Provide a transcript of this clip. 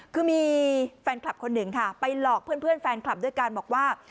คือมีแฟนคลับคนหนึ่งค่ะไปหลอกเพื่อนแฟนคลับด้วยกันบอกว่า